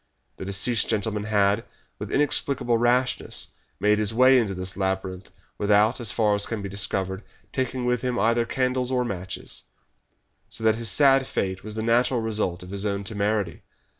The deceased gentleman had, with inexplicable rashness, made his way into this labyrinth without, as far as can be discovered, taking with him either candles or matches, so that his sad fate was the natural result of his own temerity.